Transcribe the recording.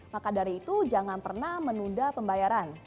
maka dari itu jangan pernah menunda pembayaran